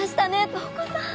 瞳子さん